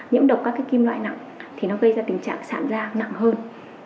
nhiễm độc các cái kim loại nặng thì nó gây ra tình trạng sản da nặng hơn